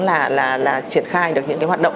là triển khai được những cái hoạt động